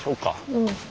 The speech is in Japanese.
うん。